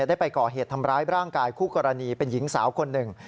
ได้ไปก่อเหตุทำร้ายร่างกายคู่กรณีเป็นหญิงสาวคนหนึ่ง